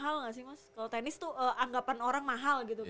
kalau tenis itu anggapan orang mahal gitu kan